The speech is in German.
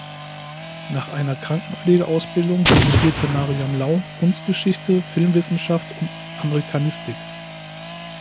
Nach einer Krankenpflegeausbildung studierte Mariam Lau Kunstgeschichte, Filmwissenschaft und Amerikanistik.